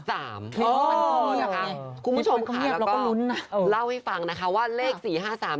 แล้วก็เล่าให้ฟังนะคะว่าเลข๔๕๓ดันไปตรงกับทะเบียนรถของคนที่ขับมาในงาน